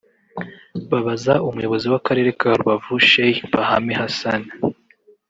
Babaza Umuyobozi w’Akarere ka Rubavu Sheikh Bahame Hassan